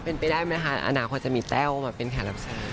เป็นไปได้ไหมคะอนาคตจะมีแต้วมาเป็นแขกรับเชิญ